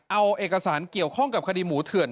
เอาเอกสารเกี่ยวข้องกับคดีหมูเถื่อน